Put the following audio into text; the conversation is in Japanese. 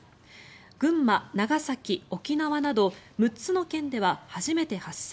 群馬、長崎、沖縄など６つの県では初めて発生。